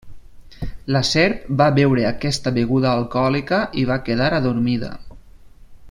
La serp va beure aquesta beguda alcohòlica i va quedar adormida.